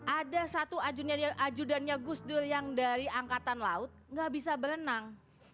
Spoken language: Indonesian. ada satu ajudannya gus dur yang dari angkatan laut nggak bisa berenang